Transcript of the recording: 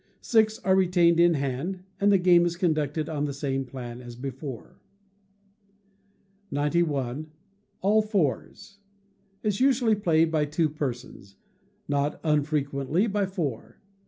Six are retained in hand, and the game is conducted on the same plan as before. 91. All Fours is usually played by two persons; not unfrequently by four.